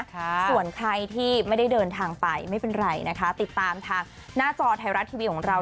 ส่วนใครที่ไม่ได้เดินทางไปไม่เป็นไรนะคะติดตามทางหน้าจอไทยรัฐทีวีของเรา